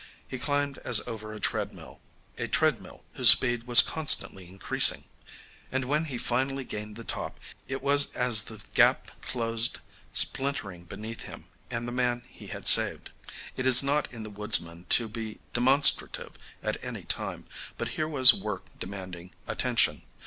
He climbed as over a treadmill, a treadmill whose speed was constantly increasing. And when he finally gained the top, it was as the gap closed splintering beneath him and the man he had saved. It is not in the woodsman to be demonstrative at any time, but here was work demanding attention.